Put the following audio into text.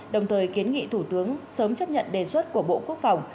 đồng thời kiến nghị thủ tướng sớm chấp nhận đề xuất của bộ quốc phòng